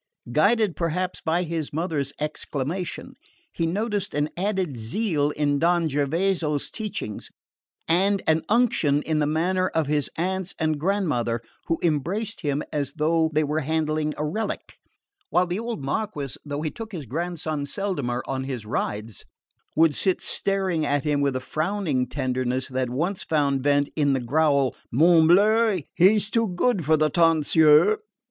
Guided perhaps by his mother's exclamation, he noticed an added zeal in Don Gervaso's teachings and an unction in the manner of his aunts and grandmother, who embraced him as though they were handling a relic; while the old Marquess, though he took his grandson seldomer on his rides, would sit staring at him with a frowning tenderness that once found vent in the growl "Morbleu, but he's too good for the tonsure!"